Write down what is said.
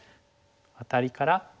アタリから１目。